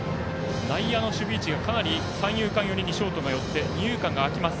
内野の守備位置かなり三遊間寄りにショートが寄って二遊間が空きます。